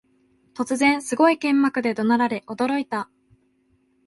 突然、すごい剣幕で怒鳴られ驚いた